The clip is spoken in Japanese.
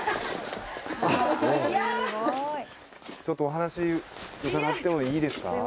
ちょっとお話伺ってもいいですか？